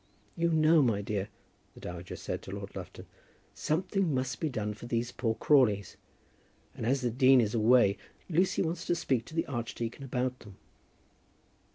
"You know, my dear," the dowager said to Lord Lufton, "something must be done for these poor Crawleys; and as the dean is away, Lucy wants to speak to the archdeacon about them."